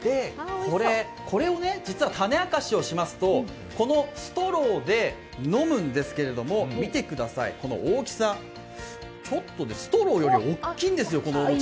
これを実は種明かしをしますと、このストローで飲むんですけども、見てください、この大きさ、ストローより大きいんですよ、このお餅。